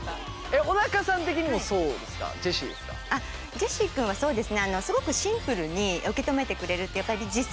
ジェシー君はそうですね